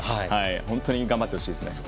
本当に頑張ってほしいですね。